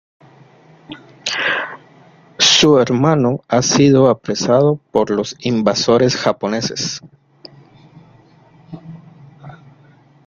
Su hermano ha sido apresado por los invasores japoneses.